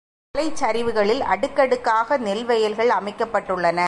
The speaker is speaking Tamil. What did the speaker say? மலைச்சரிவுகளில் அடுக்கடுக்காக நெல் வயல்கள் அமைக்கப்பட்டுள்ளன.